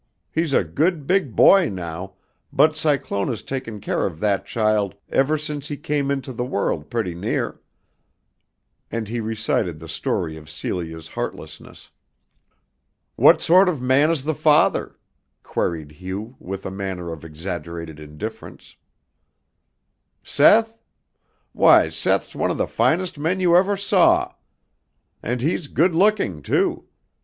He is a good big boy now, but Cyclona's taken care of that child ever since he come into the world putty near," and he recited the story of Celia's heartlessness. "What sort of man is the father?" queried Hugh with a manner of exaggerated indifference. "Seth? Why, Seth's one of the finest men you ever saw. And he's good looking, too.